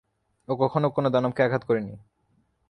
ও কখনো কোনো দানবকে আঘাত করেনি।